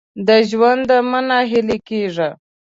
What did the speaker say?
د ژونده مه نا هیله کېږه !